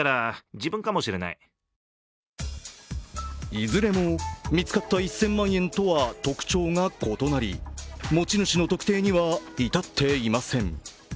いずれも見つかった１０００万円とは特徴が異なり、持ち主の特定には至っていません。